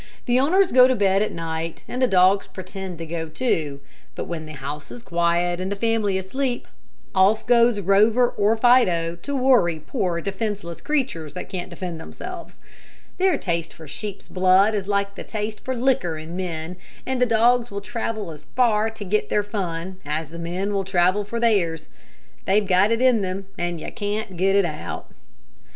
The owners go to bed at night, and the dogs pretend to go, too; but when the house is quiet and the family asleep, off goes Rover or Fido to worry poor, defenseless creatures that can't defend themselves. Their taste for sheep's blood is like the taste for liquor in men, and the dogs will travel as far to get their fun, as the men will travel for theirs. They've got it in them, and you can't get it out.